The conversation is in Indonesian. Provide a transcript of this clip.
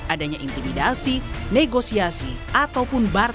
adanya intimidasi negosiasi ataupun mencari keputusan